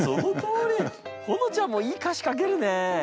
ほのちゃんもいい歌詞書けるね。